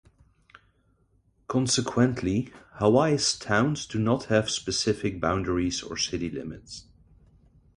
Consequently, Hawaii's towns do not have specific boundaries or city limits.